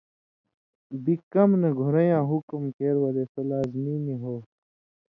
بِگ کمہۡ نہ گھُرئن٘یاں حُکم کېر ولے، سو لازمی نی ہو۔